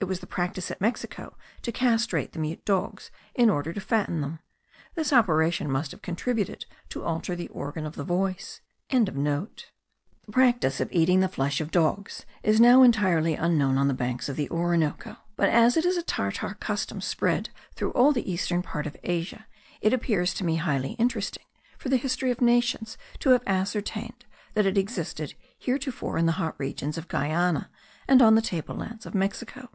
It was the practice at Mexico to castrate the mute dogs in order to fatten them. This operation must have contributed to alter the organ of the voice.) The practice of eating the flesh of dogs is now entirely unknown on the banks of the Orinoco; but as it is a Tartar custom spread through all the eastern part of Asia, it appears to me highly interesting for the history of nations to have ascertained that it existed heretofore in the hot regions of Guiana and on the table lands of Mexico.